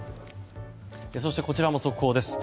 そしてこちらも速報です。